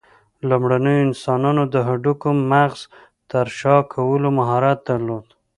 لومړنیو انسانانو د هډوکو مغز ترلاسه کولو مهارت درلود.